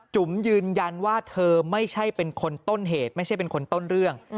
จุ๋มยืนยันว่าเธอไม่ใช่เป็นคนต้นเหตุไม่ใช่เป็นคนต้นเรื่อง